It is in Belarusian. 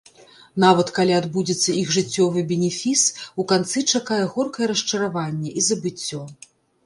Нават калі адбудзецца іх жыццёвы бенефіс, у канцы чакае горкае расчараванне і забыццё.